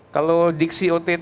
kalau diksi ott